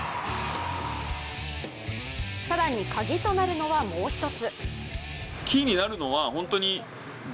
更に鍵となるのは、もう一つ。